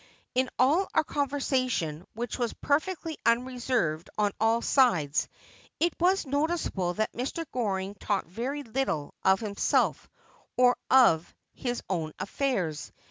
'In all our conversation, which was perfectly unreserved on all sides, it was noticeable that Mr. Goring talked very little of himself or of his own affairs.